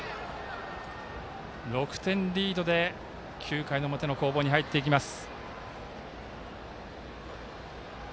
６点リードで９回表の攻防に入っていきます。